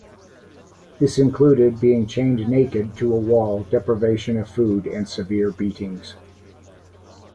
This included being chained naked to a wall, deprivation of food and severe beatings.